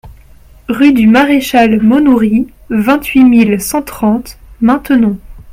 Rue du Maréchal Maunoury, vingt-huit mille cent trente Maintenon